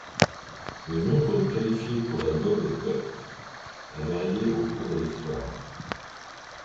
Le nombre de qualifiés pour la Gold Cup a varié au cours de l'histoire.